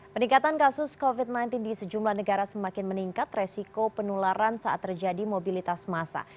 peningkatan kasus covid sembilan belas di sejumlah negara semakin meningkat resiko penularan saat terjadi mobilitas masa